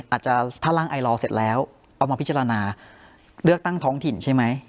อาจจะถ้าร่างไอลอเสร็จแล้วเอามาพิจารณาเลือกตั้งท้องถิ่นใช่ไหม